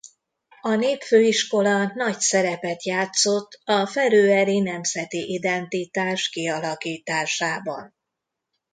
A népfőiskola nagy szerepet játszott a feröeri nemzeti identitás kialakításában.